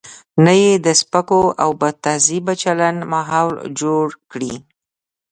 نه یې د سپکو او بدتهذیبه چلن ماحول جوړ کړي.